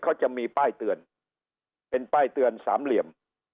เขาจะมีป้ายเตือนเป็นป้ายเตือนสามเหลี่ยม